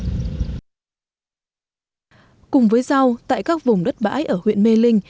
cùng với rau tại các vùng đất bãi ở huyện mê linh